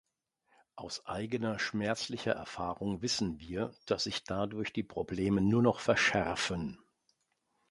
Aus eigener schmerzlicher Erfahrung wissen wir, dass sich dadurch die Probleme nur noch verschärfen.